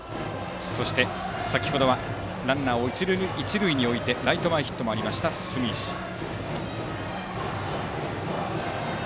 そして先程はランナーを一塁に置いてライト前ヒットもあった住石がバッターボックス。